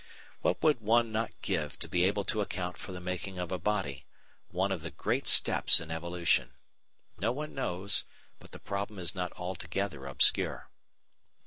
What would one not give to be able to account for the making of a body, one of the great steps in evolution! No one knows, but the problem is not altogether obscure.